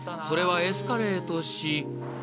それはエスカレートし］